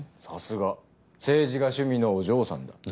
さすが政治が趣味のお嬢さんだ。